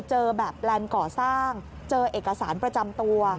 เจอแบบแลนด์ก่อสร้างเจอเอกสารประจำตัว